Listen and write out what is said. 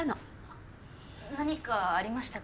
何かありましたか？